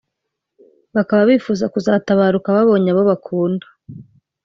bakaba bifuza kuzatabaruka babonye abo bakunda